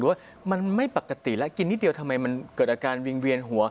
ว่ามันไม่ปกติแล้วกินนิดเดียวทำไมมันเกิดอาการวิงเวียนหัว